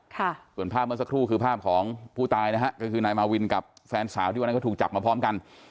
ค่ะส่วนภาพเมื่อสักครู่คือภาพของผู้ตายนะฮะก็คือนายมาวินกับแฟนสาวที่วันนั้นก็ถูกจับมาพร้อมกัน